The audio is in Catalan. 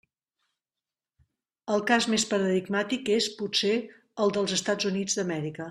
El cas més paradigmàtic és, potser, el dels Estats Units d'Amèrica.